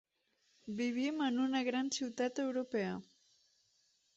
Vivim en una gran ciutat europea.